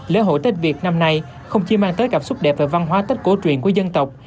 lễ hội tết việt năm nay không chỉ mang tới cảm xúc đẹp và văn hóa tết cổ truyền của dân tộc